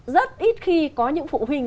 rất ít khi có những phụ huynh